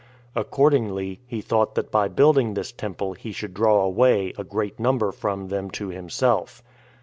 Accordingly, he thought that by building this temple he should draw away a great number from them to himself.